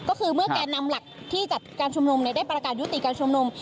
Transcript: ก็คือเมื่อแก่นำหลักที่จัดการชุมนุมได้ประกาศยุติการชุมนุม